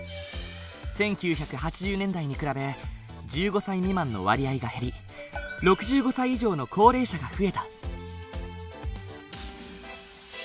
１９８０年代に比べ１５歳未満の割合が減り６５歳以上の高齢者が増えた。